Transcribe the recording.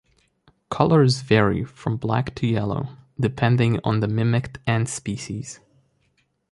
Colors vary from black to yellow, depending on the mimicked ant species.